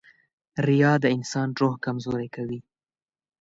• ریا د انسان روح کمزوری کوي.